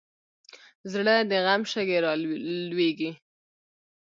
زړه د غم شګې رالوېږي.